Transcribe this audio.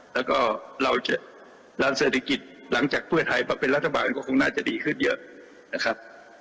แล้วก็เราจะด้านเศรษฐกิจหลังจากเพื่อไทยมาเป็นรัฐบาลก็คงน่าจะดีขึ้นเยอะนะครับ